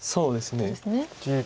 そうですね。